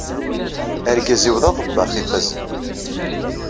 Argaz-iw d aḍebbax ifazen.